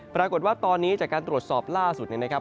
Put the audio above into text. ปรากฏว่าตอนนี้จากการตรวจสอบล่าสุดเนี่ยนะครับ